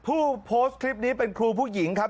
ผู้โพสต์คลิปนี้เป็นครูผู้หญิงครับ